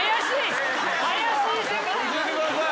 教えてください。